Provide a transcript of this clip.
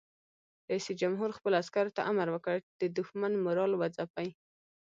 رئیس جمهور خپلو عسکرو ته امر وکړ؛ د دښمن مورال وځپئ!